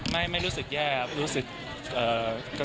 ไม่รู้สึกแย่ครับรู้สึก